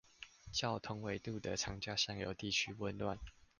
較同緯度的長江下游地區溫暖